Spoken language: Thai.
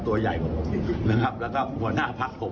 ตัวใหญ่กับผมแล้วก็หัวหน้าภักดิ์ผม